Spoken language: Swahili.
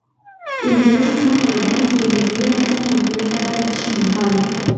Uingereza kama kawaida yake iliingilia kati na kumpeleka Bargash Mumbai